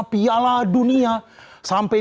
piala dunia sampai